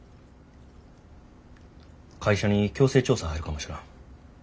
会社に強制調査入るかもしらん。